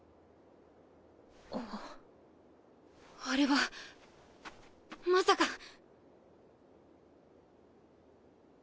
あれはまさか！